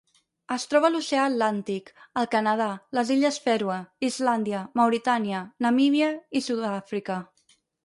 Es troba a l'Oceà Atlàntic: el Canadà, les Illes Fèroe, Islàndia, Mauritània, Namíbia i Sud-àfrica.